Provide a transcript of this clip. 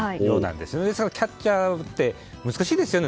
ですからキャッチャーって難しい球ですよね。